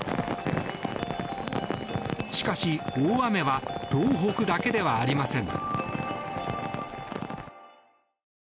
しかし、大雨は東北だけではありません。